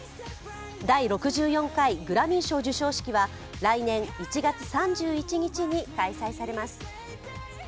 第６４回グラミー賞授賞式は来年１月３１日に開催されます。